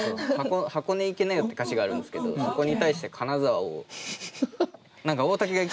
「箱根行きなよ」って歌詞があるんですけどそこに対して金沢を。